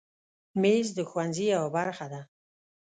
مېز د ښوونځي یوه برخه ده.